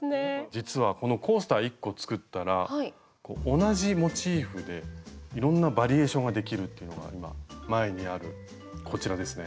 実はこのコースター１個作ったら同じモチーフでいろんなバリエーションができるっていうのが今前にあるこちらですね。